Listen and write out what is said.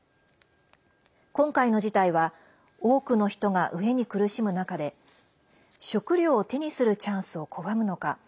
今回の事態は多くの人が飢えに苦しむ中で食糧を手にするチャンスを拒むのか。